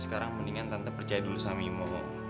sekarang mendingan tante percaya dulu sama